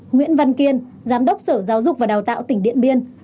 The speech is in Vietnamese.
nguyễn văn kiên giám đốc sở giáo dục và đào tạo tỉnh điện biên